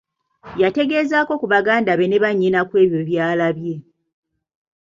Yategeezaako ku baganda be ne bannyina ku ebyo by’alabye!